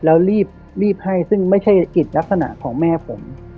แล้วรีบให้ซึ่งไม่ใช่กิจลักษณะของแม่ผม